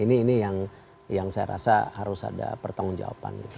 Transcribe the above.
ini yang saya rasa harus ada pertanggung jawaban gitu